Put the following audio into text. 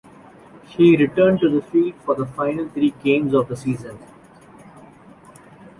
He returned to the field for the final three games of the season.